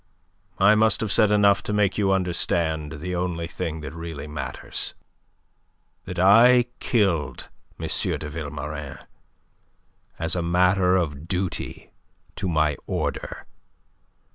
I must have said enough to make you understand the only thing that really matters that I killed M. de Vilmorin as a matter of duty to my order.